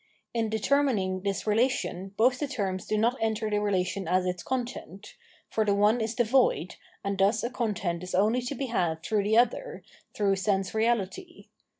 In determining this relation both the terms do not enter the relation as its content ; for the one is the void, and thus a content is only to be had through the other, through sense reahty.